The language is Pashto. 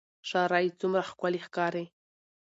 شرۍ څومره ښکلې ښکاري